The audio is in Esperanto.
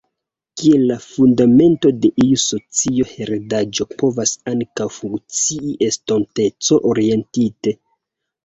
Kiel la fundamento de iu socio heredaĵo povas ankaŭ funkcii estonteco-orientite.